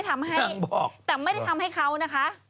แต่ไม่ได้ทำให้เขาน่ะค่ะ